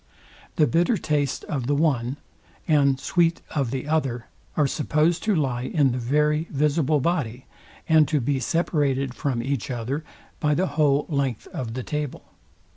The bitter taste of the one, and sweet of the other are supposed to lie in the very visible body, and to be separated from each other by the whole length of the table.